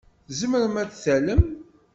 Tzemrem ad d-tallem?